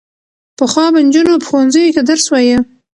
پخوا به نجونو په ښوونځیو کې درس وايه.